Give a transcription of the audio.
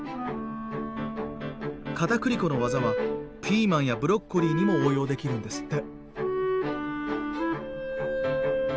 片栗粉の技はピーマンやブロッコリーにも応用できるんですって。